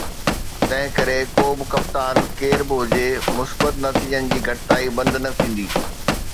تنهن ڪري ڪو به ڪپتان ڪير به هجي، مثبت نتيجن جي گهڻائي بند نه ٿيندي